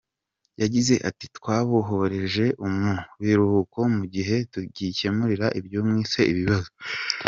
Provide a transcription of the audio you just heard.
Yagize ati: “Twabohereje mu biruhuko mu gihe tugikemura ibyo mwise ibibazo….